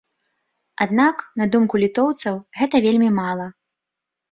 Аднак, на думку літоўцаў, гэта вельмі мала.